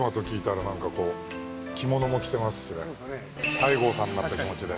西郷さんになった気持ちで。